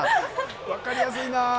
分かりやすいな！